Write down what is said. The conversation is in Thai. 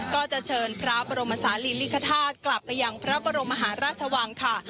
ก็จะเชิญพระบรมศาลีลิกธาตุกลับไปยังพระบรมมหาราชวังค่ะ